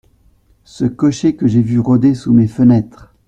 Ce cocher que j’ai vu rôder sous mes fenêtres…